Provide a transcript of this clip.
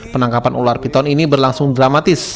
penangkapan ular piton ini berlangsung dramatis